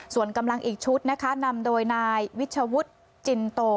ส่วนกำลังอีกชุดนะคะนำโดยนายวิชวุฒิจินโต